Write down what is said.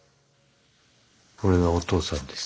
これがお父さんです。